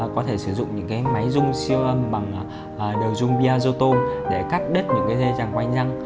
có thể sử dụng những máy dung siêu âm bằng đều dung biazotone để cắt đứt những dây chẳng quanh răng